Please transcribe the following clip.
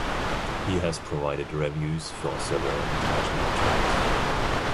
He has provided reviews for several international journals.